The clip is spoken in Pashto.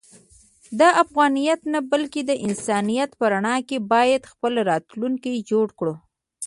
د افغانیت نه بلکې د انسانیت په رڼا کې باید خپل راتلونکی جوړ کړو.